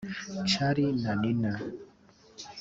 Charl&Nina